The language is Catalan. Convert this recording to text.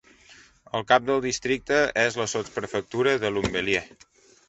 El cap de districte és la sotsprefectura de Lunéville.